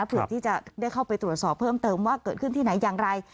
เพื่อที่จะได้เข้าไปตรวจสอบเพิ่มเติมว่าเกิดขึ้นที่ไหนอย่างไร